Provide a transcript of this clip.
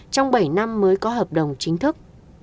trong bảy năm mới có hợp đồng chính thức